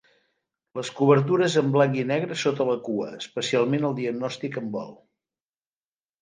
Les cobertures en blanc i negre sota la cua, especialment el diagnòstic en vol.